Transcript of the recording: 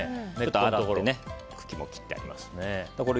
洗って、茎も切ってありますね。